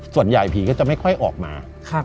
ส่วนใหญ่ผีก็จะไม่ค่อยออกมา